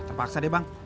terpaksa deh bang